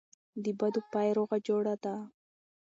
دبدو پای روغه جوړه ده.